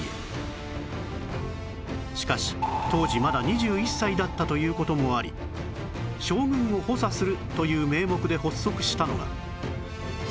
しかし当時まだ２１歳だったという事もあり将軍を補佐するという名目で発足したのが